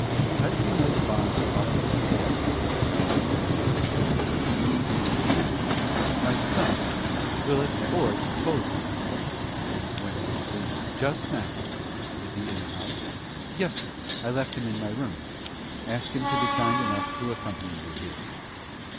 "How did you know the bonds were offered for sale at my office to day, Mrs. Estabrook?" inquired the broker. "My son Willis Ford told me." "When did you see him?" "Just now." "Is he in the house?" "Yes, sir. I left him in my room." "Ask him to be kind enough to accompany you here."